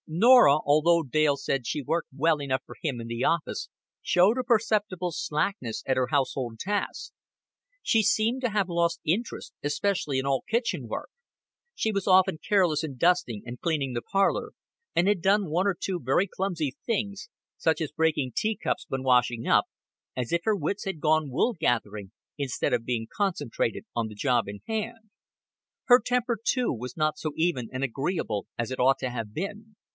Norah, although Dale said she worked well enough for him in the office, showed a perceptible slackness at her household tasks. She seemed to have lost interest, especially in all kitchen work; she was often careless in dusting and cleaning the parlor, and had done one or two very clumsy things such as breaking tea cups when washing up as if her wits had gone wool gathering instead of being concentrated on the job in hand. Her temper, too, was not so even and agreeable as it ought to have been.